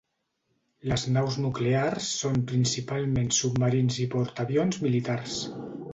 Les naus nuclears són principalment submarins i portaavions militars.